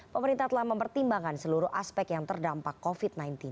pemerintah telah mempertimbangkan seluruh aspek yang terdampak covid sembilan belas